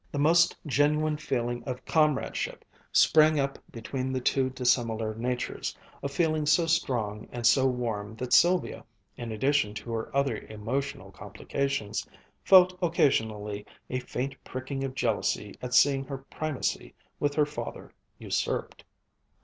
The most genuine feeling of comradeship sprang up between the two dissimilar natures, a feeling so strong and so warm that Sylvia, in addition to her other emotional complications, felt occasionally a faint pricking of jealousy at seeing her primacy with her father usurped.